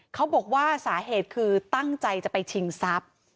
เขาบอกว่าสาเหตุคือตั้งใจจะไปชิงทรัพย์